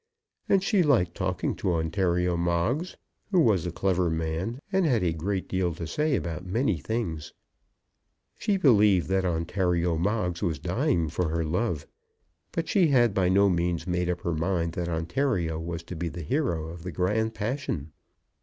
And she liked talking to Ontario Moggs, who was a clever man and had a great deal to say about many things. She believed that Ontario Moggs was dying for her love, but she had by no means made up her mind that Ontario was to be the hero of the great passion.